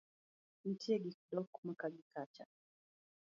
nitie gi dok maka gi kacha